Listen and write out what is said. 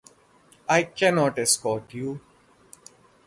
I cannot escort you.